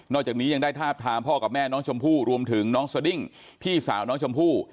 จากนี้ยังได้ทาบทามพ่อกับแม่น้องชมพู่รวมถึงน้องสดิ้งพี่สาวน้องชมพู่